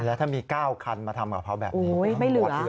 แล้วถ้ามี๙คันมาทำกับเขาแบบนี้ไม่เหลือ